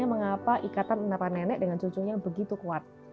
kenapa kamu yang tidak makan